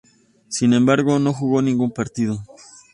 Sin embargo, no jugó ningún partido.